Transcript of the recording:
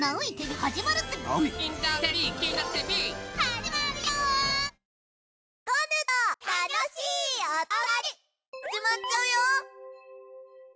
始まっちゃうよ！